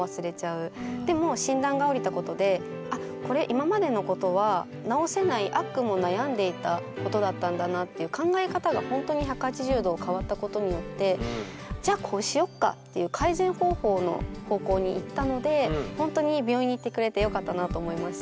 でも診断が下りたことであっこれ今までのことはことだったんだなっていう考え方がほんとに１８０度変わったことによってじゃあこうしよっかっていう行ったのでほんとに病院に行ってくれてよかったなあと思いました。